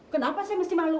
kenapa saya harus malu